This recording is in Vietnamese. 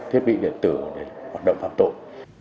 thiết bị điện tử để hoạt động phạm tội